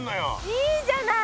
いいじゃない！